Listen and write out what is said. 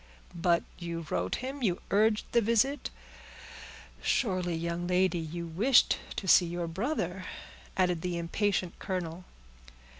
"But you wrote him—you urged the visit; surely, young lady, you wished to see your brother?" added the impatient colonel.